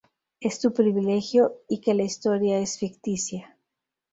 Es tu privilegio" y que la historia es ficticia.